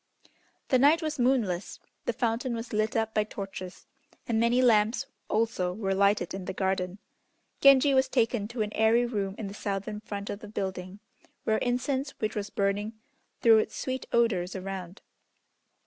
The night was moonless. The fountain was lit up by torches, and many lamps also were lighted in the garden. Genji was taken to an airy room in the southern front of the building, where incense which was burning threw its sweet odors around.